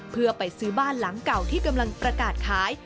เพื่อไปซื้อบ้านหลังเก่าที่กำลังประกาศขาย